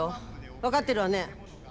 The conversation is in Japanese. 分かってるわね。